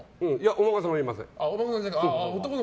お孫さんはいません。